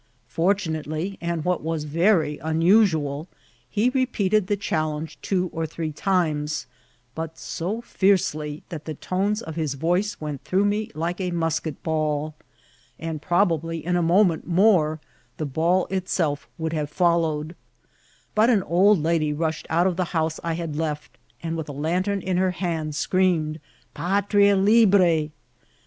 Fortunately, and what was very unusual, he repeated the challenge two or three times, but so fiercely that the tones of his vcnce went through me like a musket ball, and probably in a moment more the ball itself would have followed, but an old lady rushed out of the house I had left, and, with a lantern in her hand, screamed *^ Patria Libra."